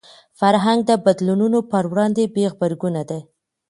فرهنګ د بدلونونو پر وړاندې بې غبرګونه دی